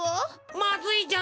まずいじゃんよ。